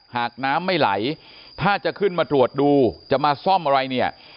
หากน้ำไม่ไหลถ้าจะขึ้นมาตรวจดูจะมาซ่อมอะไรเนี่ย